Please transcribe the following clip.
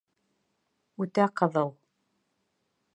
Үтә ҡыҙыл